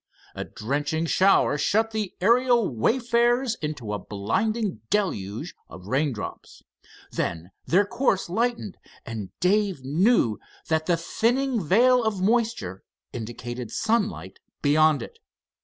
A drenching shower shut the aerial wayfarers into a blinding deluge of rain drops. Then their course lightened, and Dave knew that the thinning veil of moisture indicated sunlight beyond it.